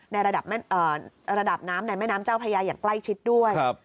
ในระดับน้ำในแม่น้ำเจ้าพระยาอย่างใกล้ชิดด้วย